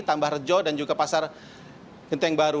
tambah rejo dan juga pasar genteng baru